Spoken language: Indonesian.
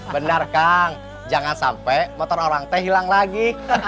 benar kang jangan sampai motor orang teh hilang lagi